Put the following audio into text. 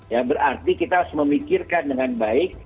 ya berarti kita harus memikirkan dengan baik